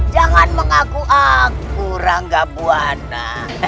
jangan mengaku aku ranggabwana